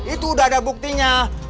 itu udah ada buktinya